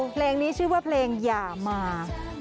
เพลงนี้ชื่อว่าเพลงอย่ามา